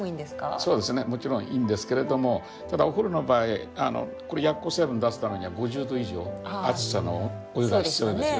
そうですねもちろんいいんですけれどもただお風呂の場合これ薬効成分出すためには５０℃以上熱さのお湯が必要ですよね。